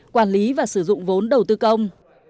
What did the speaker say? quản lý và sử dụng vốn đầu tư công